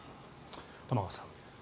玉川さん。